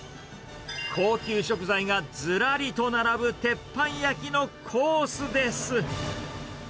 高級食材がずらりと並ぶ鉄板焼きのコースです。